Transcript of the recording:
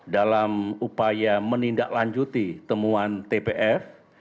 dalam upaya menindaklanjuti temuan tpf